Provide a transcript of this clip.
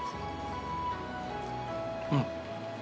うん。